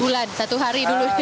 bulan satu hari dulu